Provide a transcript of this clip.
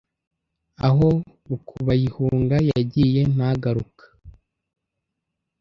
aho Rukubayihunga yagiye ntagaruka